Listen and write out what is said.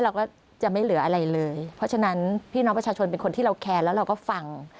เราก็จะไม่เหลืออะไรเลยเพราะฉะนั้นพี่น้องประชาชนเป็นคนที่เราแคร์แล้วเราก็ฟัง